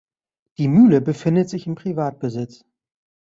Die Mühle befindet sich in Privatbesitz.